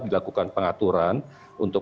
dilakukan pengaturan untuk